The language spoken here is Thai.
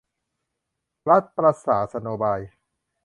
รัฐประศาสโนบาย